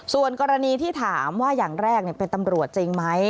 ส่วนกรณีที่ถามว่าอย่างแรกเป็นตำรวจจริงไหม